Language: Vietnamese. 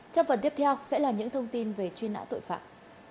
trong phần tiếp theo sẽ là những thông tin về truy nã tội phạm